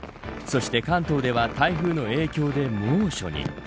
関東では台風の影響で猛暑に。